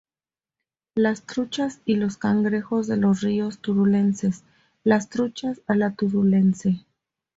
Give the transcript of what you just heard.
Las truchas y los cangrejos de los ríos turolenses, las truchas a la turolense.